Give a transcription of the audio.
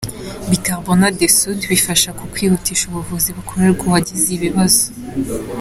bicarbonate de soude, bufasha ku kwihutisha ubuvuzi bukorerwa uwagize ibibazo